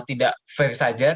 tidak fair saja